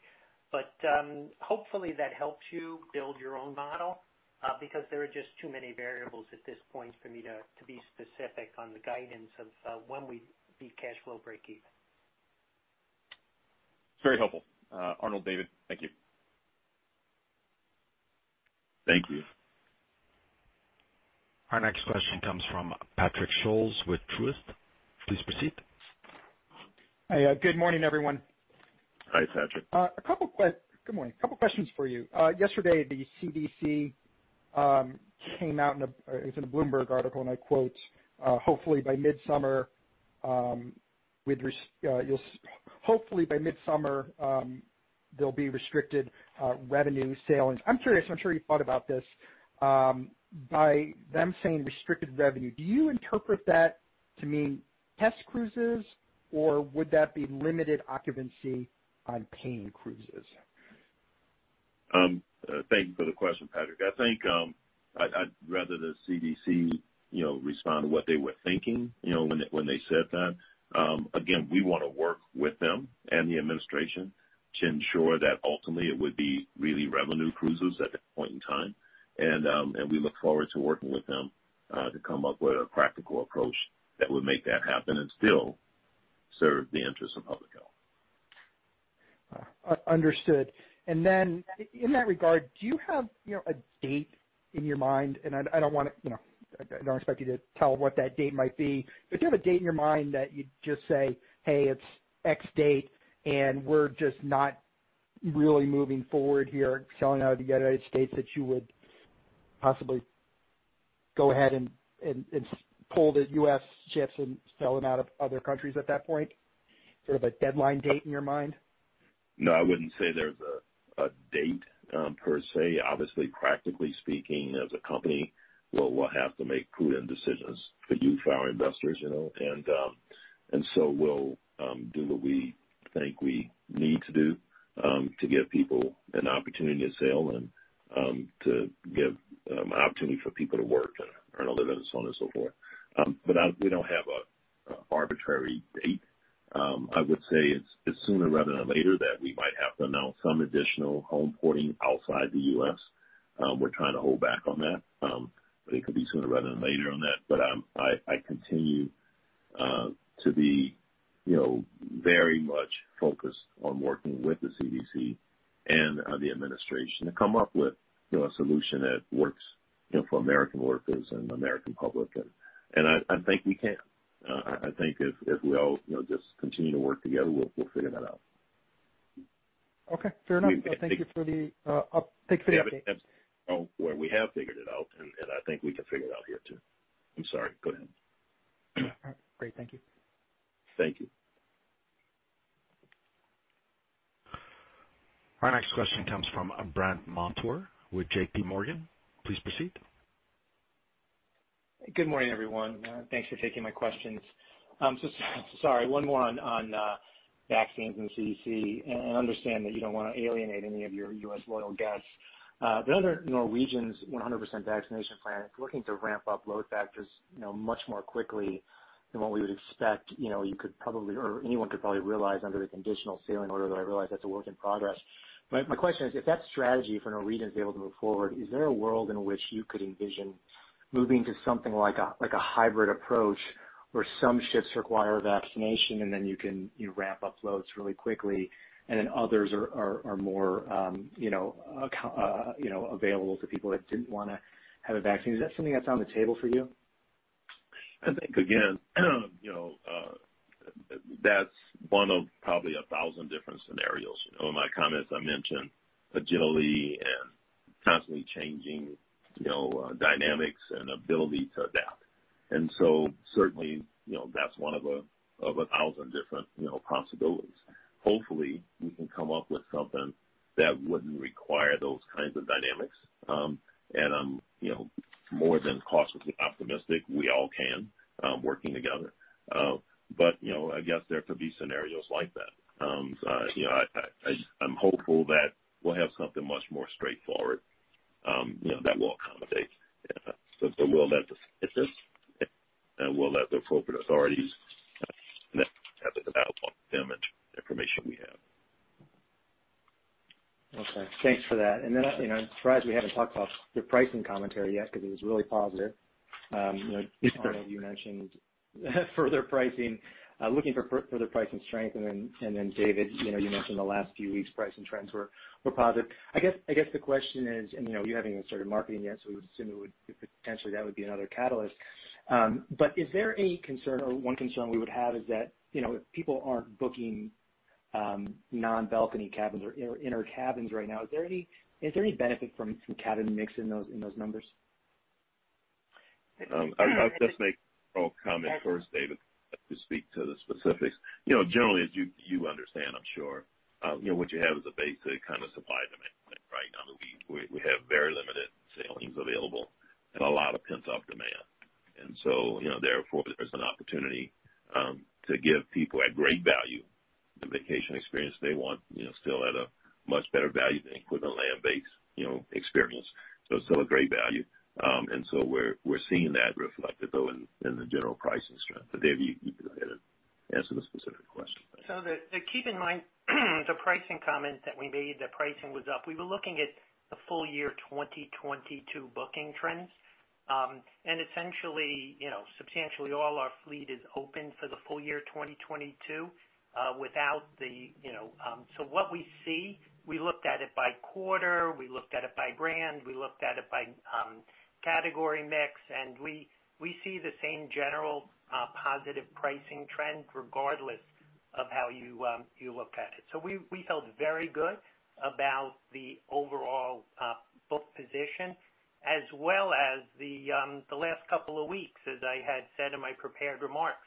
Hopefully that helps you build your own model, because there are just too many variables at this point for me to be specific on the guidance of when we'd be cash flow breakeven. It's very helpful. Arnold, David, thank you. Thank you. Our next question comes from Patrick Scholes with Truist. Please proceed. Hi. Good morning, everyone. Hi, Patrick. Good morning. A couple questions for you. Yesterday, the CDC came out in a Bloomberg article. I quote, Hopefully by midsummer, there'll be restricted revenue sailings. I'm curious, I'm sure you've thought about this. By them saying restricted revenue, do you interpret that to mean test cruises, or would that be limited occupancy on paying cruises? Thank you for the question, Patrick. I think I'd rather the CDC respond to what they were thinking when they said that. We want to work with them and the administration to ensure that ultimately it would be really revenue cruises at that point in time. We look forward to working with them, to come up with a practical approach that would make that happen and still serve the interests of public health. Understood. Then in that regard, do you have a date in your mind? I don't expect you to tell what that date might be, but do you have a date in your mind that you'd just say, Hey, it's X date, and we're just not really moving forward here, sailing out of the United States, that you would possibly go ahead and pull the U.S. ships and sell them out of other countries at that point? Sort of a deadline date in your mind? No, I wouldn't say there's a date per se. Obviously, practically speaking, as a company, we'll have to make prudent decisions for you, for our investors. We'll do what we think we need to do, to give people an opportunity to sail and to give an opportunity for people to work and earn a living and so on and so forth. We don't have an arbitrary date. I would say it's sooner rather than later that we might have to announce some additional home porting outside the U.S. We're trying to hold back on that. It could be sooner rather than later on that. I continue to be very much focused on working with the CDC and the administration to come up with a solution that works for American workers and the American public, and I think we can. I think if we all just continue to work together, we'll figure that out. Okay. Fair enough. Thank you for the update. Where we have figured it out, and I think we can figure it out here, too. I'm sorry. Go ahead. All right. Great. Thank you. Thank you. Our next question comes from Brandt Montour with JPMorgan. Please proceed. Good morning, everyone. Thanks for taking my questions. Sorry, one more on vaccines and the CDC. I understand that you don't want to alienate any of your U.S. loyal guests. Under Norwegian's 100% vaccination plan, it's looking to ramp up load factors much more quickly than what we would expect. Anyone could probably realize under the Conditional Sailing Order that I realize that's a work in progress. My question is, if that strategy for Norwegian is able to move forward, is there a world in which you could envision moving to something like a hybrid approach, where some ships require vaccination and then you can ramp up loads really quickly, and then others are more available to people that didn't want to have a vaccine? Is that something that's on the table for you? I think, again, that's one of probably a thousand different scenarios. In my comments, I mentioned agility and constantly changing dynamics and ability to adapt. Certainly, that's one of a thousand different possibilities. Hopefully, we can come up with something that wouldn't require those kinds of dynamics. I'm more than cautiously optimistic we all can, working together. I guess there could be scenarios like that. I'm hopeful that we'll have something much more straightforward that will accommodate. We'll let the scientists, and we'll let the appropriate authorities information we have. Okay. Thanks for that. I'm surprised we haven't talked about your pricing commentary yet because it was really positive. It's great. Arnold, you mentioned further pricing, looking for further pricing strength. David, you mentioned the last few weeks' pricing trends were positive. I guess the question is, and you haven't even started marketing yet, so we would assume potentially that would be another catalyst. Is there any concern, or one concern we would have is that if people aren't booking non-balcony cabins or inner cabins right now, is there any benefit from cabin mix in those numbers? I'll just make an overall comment first, David, to speak to the specifics. Generally, as you understand, I'm sure, what you have is a basic kind of supply-demand dynamic right now that we have very limited sailings available and a lot of pent-up demand. Therefore, there's an opportunity to give people a great value, the vacation experience they want, still at a much better value than equivalent land-based experience. Still a great value. We're seeing that reflected, though, in the general pricing strength. David, you go ahead and answer the specific question. Keep in mind the pricing comment that we made, that pricing was up. We were looking at the full year 2022 booking trends. Essentially, substantially all our fleet is open for the full year 2022. What we see, we looked at it by quarter, we looked at it by brand, we looked at it by category mix, and we see the same general positive pricing trend regardless of how you look at it. We felt very good about the overall book position as well as the last couple of weeks, as I had said in my prepared remarks.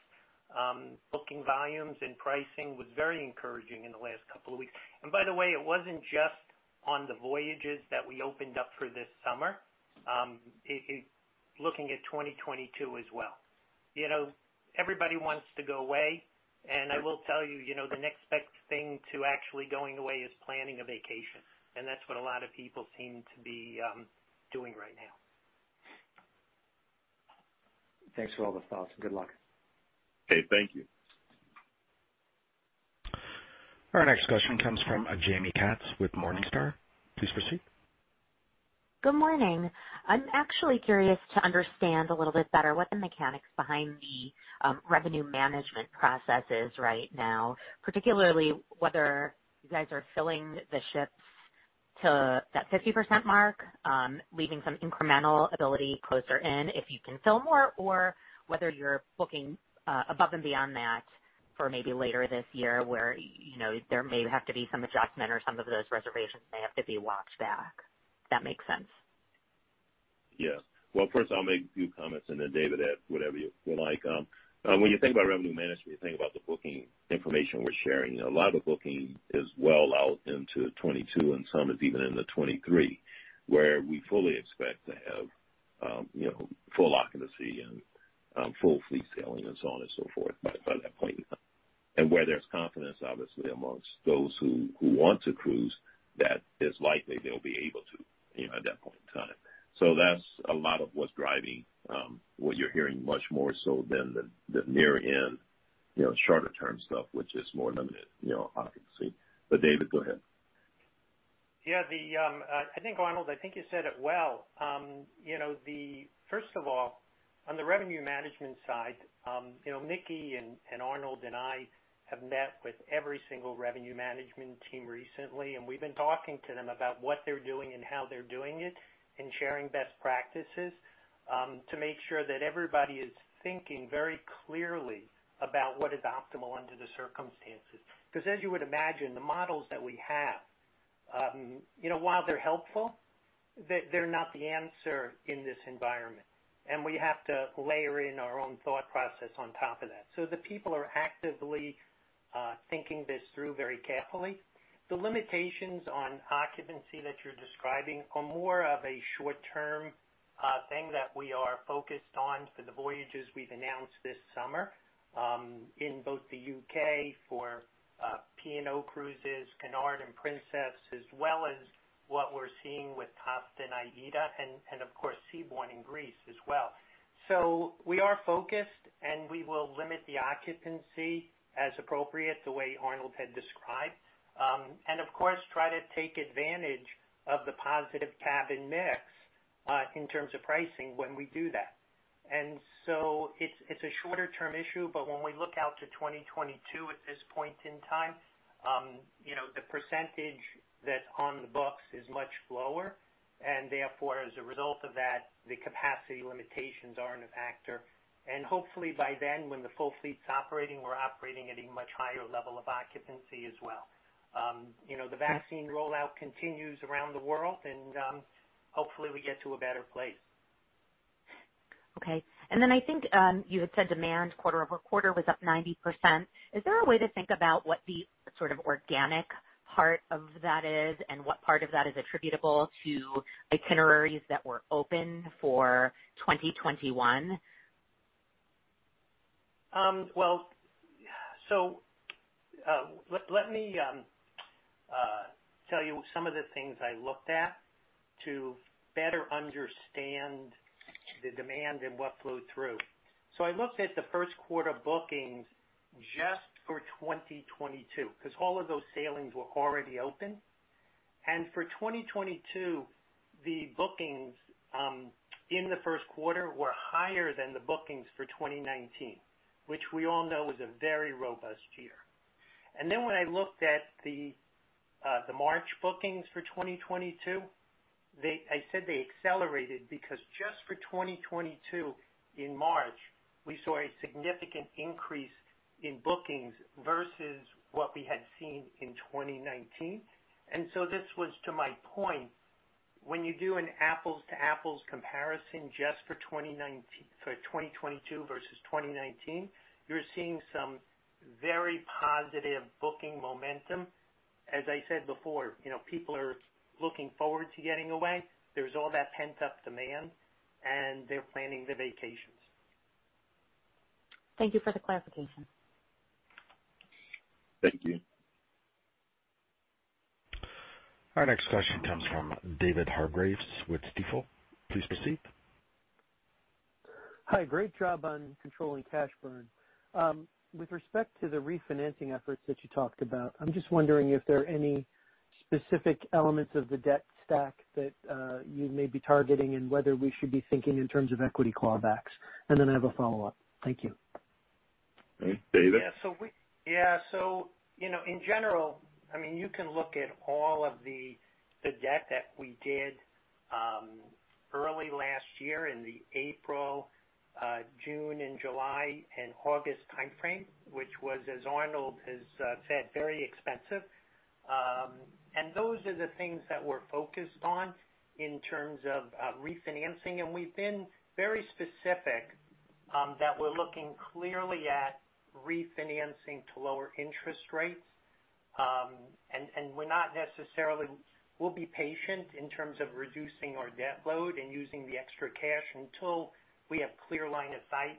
Booking volumes and pricing was very encouraging in the last couple of weeks. By the way, it wasn't just on the voyages that we opened up for this summer, looking at 2022 as well. Everybody wants to go away. I will tell you, the next best thing to actually going away is planning a vacation. That's what a lot of people seem to be doing right now. Thanks for all the thoughts, and good luck. Okay, thank you. Our next question comes from Jaime Katz with Morningstar. Please proceed. Good morning. I'm actually curious to understand a little bit better what the mechanics behind the revenue management process is right now, particularly whether you guys are filling the ships to that 50% mark, leaving some incremental ability closer in if you can fill more or whether you're booking above and beyond that for maybe later this year where there may have to be some adjustment or some of those reservations may have to be walked back, if that makes sense? Yes. Well, first I'll make a few comments and then David, add whatever you like. When you think about revenue management, you think about the booking information we're sharing. A lot of booking is well out into 2022, and some is even into 2023, where we fully expect to have full occupancy and full fleet sailing and so on and so forth by that point in time. Where there's confidence, obviously, amongst those who want to cruise, that it's likely they'll be able to at that point in time. That's a lot of what's driving what you're hearing much more so than the near in, shorter-term stuff, which is more limited occupancy. David, go ahead. Yeah, I think, Arnold, I think you said it well. First of all, on the revenue management side, Micky and Arnold and I have met with every single revenue management team recently, and we've been talking to them about what they're doing and how they're doing it and sharing best practices to make sure that everybody is thinking very clearly about what is optimal under the circumstances. As you would imagine, the models that we have, while they're helpful, they're not the answer in this environment. We have to layer in our own thought process on top of that. The people are actively thinking this through very carefully. The limitations on occupancy that you're describing are more of a short-term thing that we are focused on for the voyages we've announced this summer in both the U.K. for P&O Cruises, Cunard and Princess, as well as what we're seeing with TUI and AIDA and of course, Seabourn in Greece as well. We are focused, and we will limit the occupancy as appropriate, the way Arnold had described. Of course, try to take advantage of the positive cabin mix in terms of pricing when we do that. It's a shorter-term issue, but when we look out to 2022 at this point in time, the percentage that's on the books is much lower, and therefore, as a result of that, the capacity limitations aren't a factor, and hopefully by then, when the full fleet's operating, we're operating at a much higher level of occupancy as well. The vaccine rollout continues around the world, and hopefully, we get to a better place. Okay. I think you had said demand quarter-over-quarter was up 90%. Is there a way to think about what the sort of organic part of that is and what part of that is attributable to itineraries that were open for 2021? Let me tell you some of the things I looked at to better understand the demand and what flowed through. I looked at the first quarter bookings just for 2022, because all of those sailings were already open. For 2022, the bookings in the first quarter were higher than the bookings for 2019, which we all know was a very robust year. When I looked at the March bookings for 2022, I said they accelerated because just for 2022 in March, we saw a significant increase in bookings versus what we had seen in 2019. This was to my point, when you do an apples-to-apples comparison just for 2022 versus 2019, you're seeing some very positive booking momentum. As I said before, people are looking forward to getting away. There's all that pent-up demand, and they're planning their vacations. Thank you for the clarification. Thank you. Our next question comes from David Hargreaves with Stifel. Please proceed. Hi, great job on controlling cash burn. With respect to the refinancing efforts that you talked about, I'm just wondering if there are any specific elements of the debt stack that you may be targeting and whether we should be thinking in terms of equity clawbacks. I have a follow-up. Thank you. David? In general, you can look at all of the debt that we did early last year in the April, June and July and August timeframe, which was, as Arnold has said, very expensive. Those are the things that we're focused on in terms of refinancing. We've been very specific that we're looking clearly at refinancing to lower interest rates. We'll be patient in terms of reducing our debt load and using the extra cash until we have clear line of sight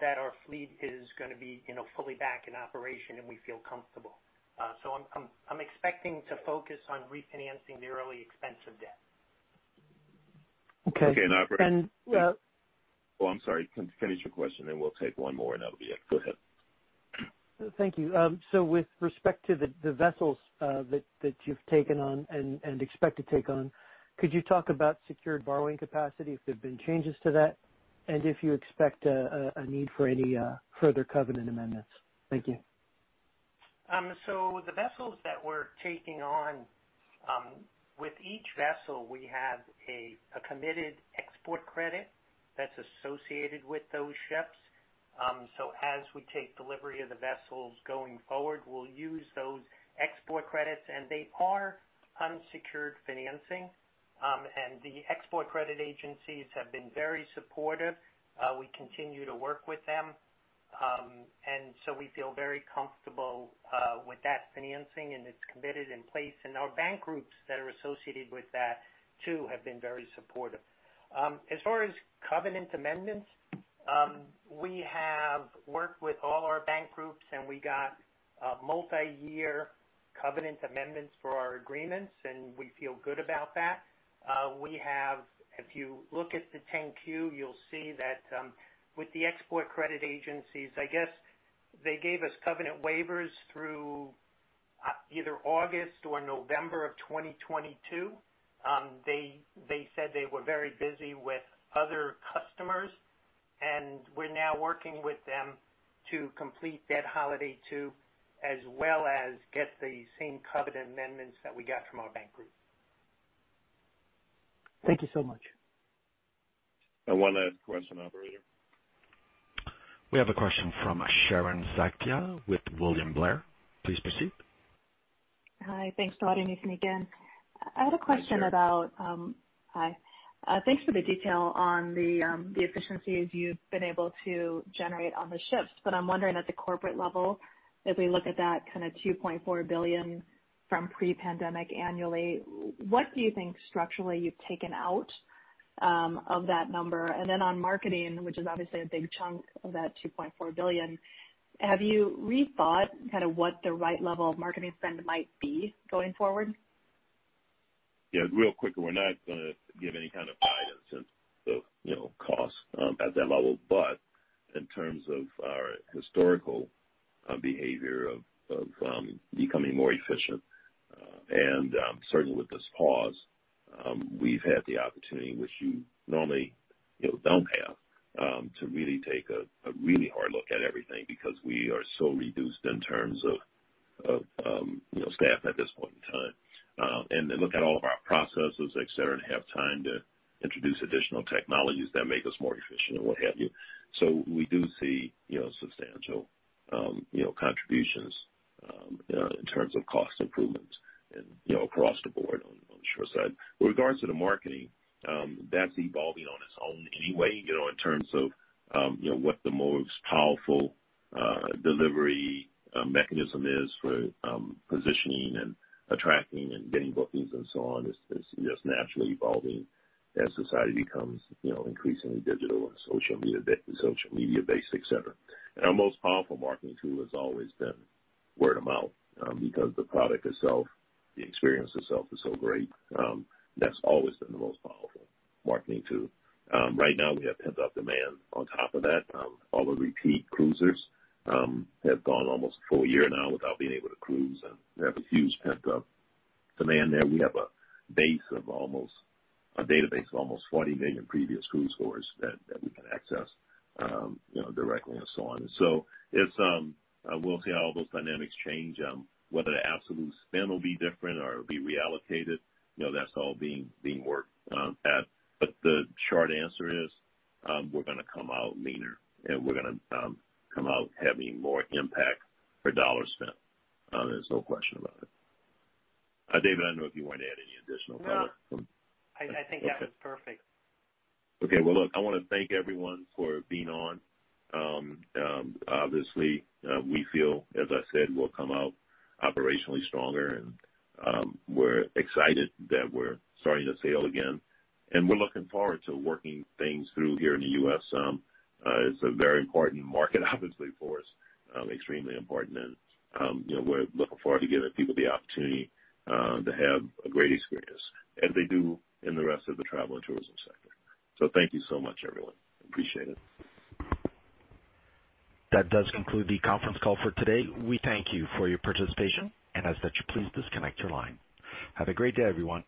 that our fleet is going to be fully back in operation and we feel comfortable. I'm expecting to focus on refinancing the early expensive debt. Okay. Okay, operator. Yeah. Oh, I'm sorry. Finish your question, then we'll take one more, and that'll be it. Go ahead. Thank you. With respect to the vessels that you've taken on and expect to take on, could you talk about secured borrowing capacity, if there have been changes to that, and if you expect a need for any further covenant amendments? Thank you. The vessels that we're taking on, with each vessel, we have a committed export credit that's associated with those ships. As we take delivery of the vessels going forward, we'll use those export credits, and they are unsecured financing. The export credit agencies have been very supportive. We continue to work with them. We feel very comfortable with that financing, and it's committed in place. Our bank groups that are associated with that too have been very supportive. As far as covenant amendments, we have worked with all our bank groups, and we got multi-year covenant amendments for our agreements, and we feel good about that. If you look at the 10-Q, you'll see that with the export credit agencies, I guess they gave us covenant waivers through either August or November of 2022. They said they were very busy with other customers, and we're now working with them to complete debt holiday two, as well as get the same covenant amendments that we got from our bank group. Thank you so much. One last question, operator. We have a question from Sharon Zackfia with William Blair. Please proceed. Hi. Thanks for letting me through again. I had a question about- Hi. Thanks for the detail on the efficiencies you've been able to generate on the ships. I'm wondering at the corporate level, as we look at that kind of $2.4 billion from pre-pandemic annually, what do you think structurally you've taken out of that number? On marketing, which is obviously a big chunk of that $2.4 billion, have you rethought what the right level of marketing spend might be going forward? Real quick, we're not going to give any kind of guidance in the cost at that level. In terms of our historical behavior of becoming more efficient, and certainly with this pause, we've had the opportunity, which you normally don't have, to really take a really hard look at everything because we are so reduced in terms of staff at this point in time, and then look at all of our processes, et cetera, and have time to introduce additional technologies that make us more efficient and what have you. We do see substantial contributions in terms of cost improvements across the board on the shore side. With regards to the marketing, that's evolving on its own anyway in terms of what the most powerful delivery mechanism is for positioning and attracting and getting bookings and so on is just naturally evolving as society becomes increasingly digital and social media-based, et cetera. Our most powerful marketing tool has always been word of mouth because the product itself, the experience itself is so great. That's always been the most powerful marketing tool. Right now we have pent-up demand on top of that. All the repeat cruisers have gone almost a full year now without being able to cruise, and we have a huge pent-up demand there. We have a database of almost 40 million previous cruise tourists that we can access directly and so on. We'll see how all those dynamics change, whether the absolute spend will be different or it'll be reallocated. That's all being worked at. The short answer is, we're going to come out leaner, and we're going to come out having more impact per dollar spent. There's no question about it. David, I don't know if you want to add any additional color from. No. I think that was perfect. Okay. Well, look, I want to thank everyone for being on. Obviously, we feel, as I said, we'll come out operationally stronger and we're excited that we're starting to sail again. We're looking forward to working things through here in the U.S. It's a very important market, obviously, for us. Extremely important. We're looking forward to giving people the opportunity to have a great experience as they do in the rest of the travel and tourism sector. Thank you so much, everyone. Appreciate it. That does conclude the conference call for today. We thank you for your participation, and ask that you please disconnect your line. Have a great day, everyone.